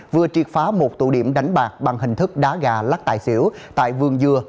vừa triệt phá một tụ điểm đánh bạc bằng hình thức đá gà lắc tài xỉu tại vườn dừa